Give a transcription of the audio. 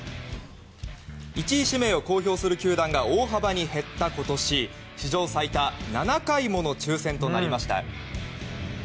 １位指名を公表する球団が大幅に減った今年史上最多７回もの抽選となりました。